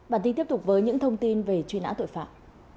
bản tin tiếp tục với những thông tin về truy nã tội phạm